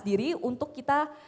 diri untuk kita